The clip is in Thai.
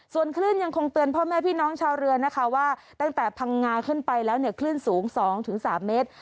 ส่วนคลื่นยังคงเตือนพ่อแม่พี่น้องชาวเรือนะคะว่าตั้งแต่พังงาขึ้นไปแล้วเนี่ยคลื่นสูง๒๓เมตร